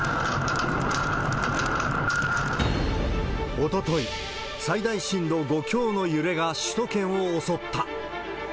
おととい、最大震度５強の揺れが首都圏を襲った。